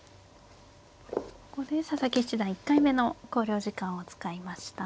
ここで佐々木七段１回目の考慮時間を使いました。